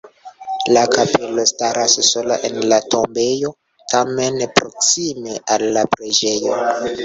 La kapelo staras sola en la tombejo, tamen proksime al la preĝejo.